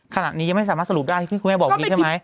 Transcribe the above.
ขณะนี้ยังไม่สามารถสรุปได้ที่คุณแม่บอกอย่างนี้ใช่ไหม